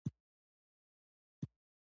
د ویښتو د غوړ لپاره د څه شي اوبه وکاروم؟